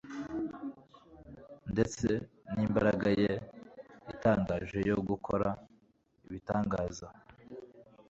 ndetse n’imbaraga ye itangaje yo gukora ibitangaza,